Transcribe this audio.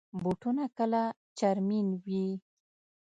بوټونه کله چرمین وي.